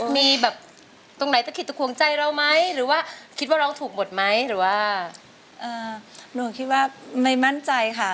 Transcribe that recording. นอนร้องให้อีกเมื่อไรก็ชอบดี